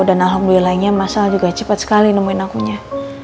dan alhamdulillahnya mas al juga cepat sekali nemuin akunya